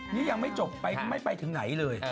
นี่ยังไม่จบไม่ไปถึงไหนเลย